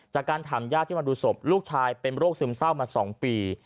จากการถามญาติที่มาดูศพลูกชายเป็นโรคซึมเศร้ามา๒ปี